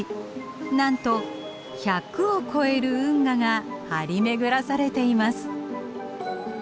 なんと１００を超える運河が張り巡らされています。